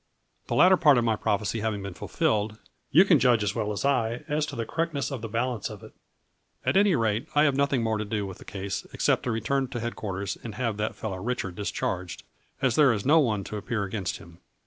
The latter part of my prophecy having been fulfilled, you can judge as well as I as to the correctness of the balance of it. At any rate I have nothing more to do with the case except to return to head quarters and have that fellow Richard dis charged, as there is no one to appear against him.